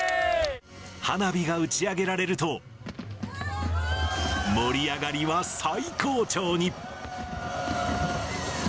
花火が打ち上げられると、盛り上がりは最高潮に。